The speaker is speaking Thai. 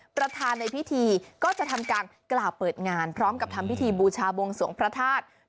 ประธานในพิธีก็จะทำการกล่าวเปิดงานพร้อมกับทำพิธีบูชาบวงสวงพระธาตุ